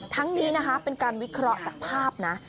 ทั้งนี้นะคะเป็นการวิเคราะห์จากภาพนะ